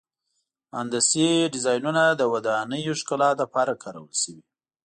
هندسي ډیزاینونه د ودانیو ښکلا لپاره کارول شوي.